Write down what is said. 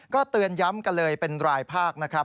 ก็เตือนย้ำกันเลยเป็นรายภาคนะครับ